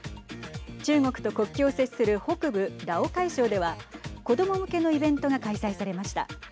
中国と国境を接する北部ラオカイ省では子ども向けのイベントが開催されました。